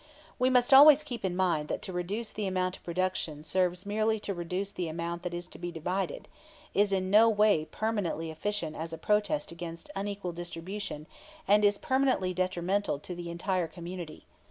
We must always keep in mind that to reduce the amount of production serves merely to reduce the amount that is to be divided, is in no way permanently efficient as a protest against unequal distribution and is permanently detrimental to the entire community.